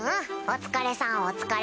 お疲れさん。